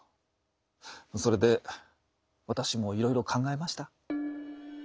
それで私もいろいろ考えました。